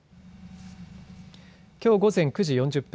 きょう午前９時４０分